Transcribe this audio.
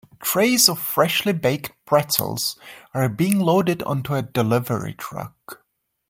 Trays of freshlybaked pretzels are being loaded onto a delivery truck.